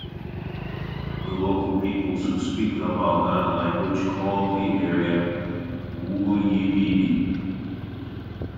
The local peoples who speak the Malgana language call the area "Wulyibidi".